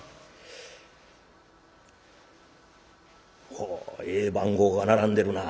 「ほうええ番号が並んでるなあ。